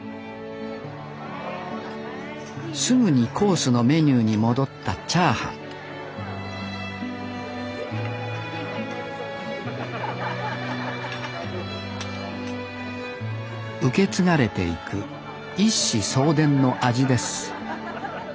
すぐにコースのメニューに戻ったチャーハン受け継がれていく一子相伝の味です